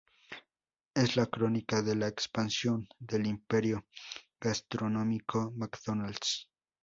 Es la crónica de la expansión del imperio gastronómico McDonald's.